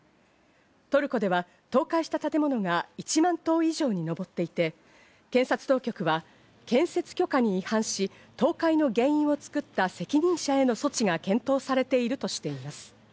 トルコでは倒壊した建物が１万棟以上に上っていて、検察当局は建設許可に違反し、倒壊の原因を作った責任者への措置が検討されているとしています。